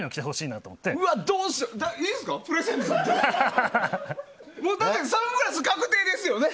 だってサングラス確定ですよね？